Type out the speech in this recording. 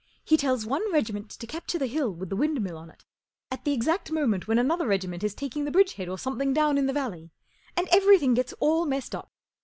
He tells one regiment to capture the hill with the windmill on it at the exact moment when another regiment is taking the bridgehead or something down in the valley ; and everything gets all messed up.